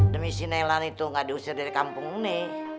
demi si nelan itu gak diusir dari kampung ini